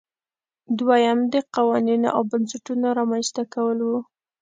دویم د قوانینو او بنسټونو رامنځته کول وو.